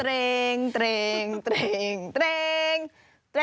เตรงเตรงเตรงเตรง